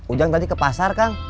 ujang tadi ke pasar kang